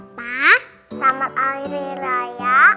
opa selamat hari raya